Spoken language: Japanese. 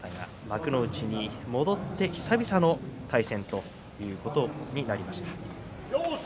幕内に戻って久々の対戦ということになりました。